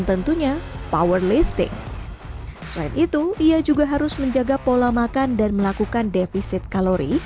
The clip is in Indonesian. tentunya powerlifting selain itu ia juga harus menjaga pola makan dan melakukan defisit kalori